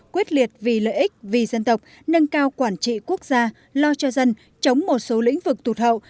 quyết liệt vì lợi ích vì dân tộc nâng cao quản trị quốc gia lo cho dân chống một số lĩnh vực tụt hậu